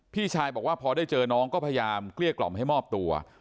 พี่ชายบอกว่าพอได้เจอน้องก็พยายามเกลี้ยกล่อมให้มอบตัว